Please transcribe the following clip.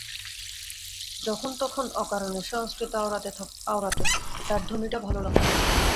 যখন তখন অকারণে সংস্কৃত আওড়াত, তার ধ্বনিটা লাগত ভালো।